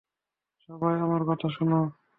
সবাই আমার কথা শুনো।